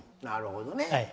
なるほどね。